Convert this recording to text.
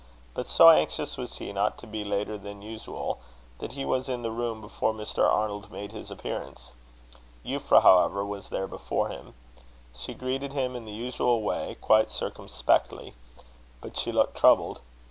But so anxious was he not to be later than usual, that he was in the room before Mr. Arnold made his appearance. Euphra, however, was there before him. She greeted him in the usual way, quite circumspectly. But she looked troubled.